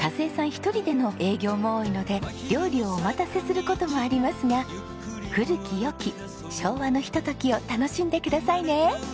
一人での営業も多いので料理をお待たせする事もありますが古き良き昭和のひとときを楽しんでくださいね！